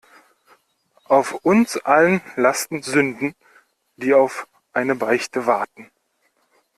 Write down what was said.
Auf uns allen lasten Sünden, die auf eine Beichte warten.